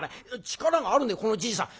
力があるねこのじいさん。